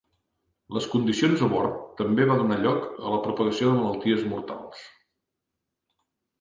Les condicions a bord també va donar lloc a la propagació de malalties mortals.